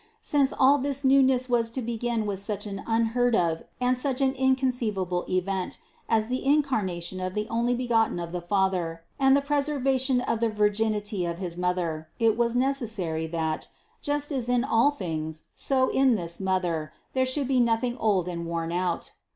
Since all this newness was to begin with such an unheard of and such an inconceivable event, as the Incarnation of the Onlybegotten of the Father and the preservation of the virginity of his Mother, it was necessary, that, just as in all things, so in this Mother, there should be nothing old and worn out.